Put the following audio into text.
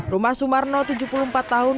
rumah sumarno tujuh puluh empat tahun